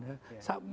masih sakit pun ya